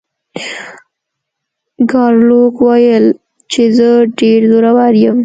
ګارلوک وویل چې زه ډیر زورور یم.